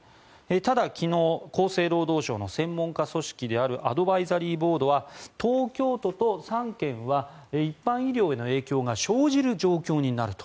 ただ、昨日厚生労働省の専門家組織であるアドバイザリーボードは東京都と３県は一般医療への影響が生じる状況になると。